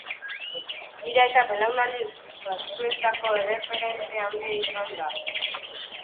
Nire aita belaunaldi batzuentzako erreferente handia izan da.